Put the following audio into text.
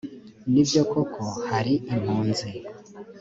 ni byo koko hari impunzi